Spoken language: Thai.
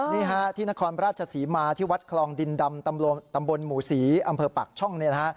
นี่ฮะที่นครราชศรีมาที่วัดคลองดินดำตำบลหมู่ศรีอำเภอปากช่องเนี่ยนะฮะ